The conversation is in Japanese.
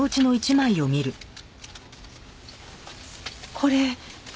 これ。